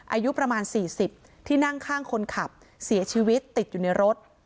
อายุประมาณ๔๐ที่นั่งข้างคนขับเสียชีวิตติดอยู่ในรถ